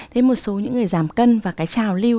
thế một số những người giảm cân và cái trào lưu